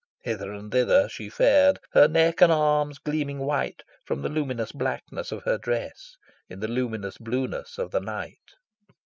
Hither and thither she fared, her neck and arms gleaming white from the luminous blackness of her dress, in the luminous blueness of the night.